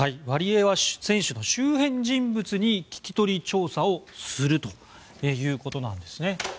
ワリエワ選手の周辺人物に聞き取り調査をするということなんですね。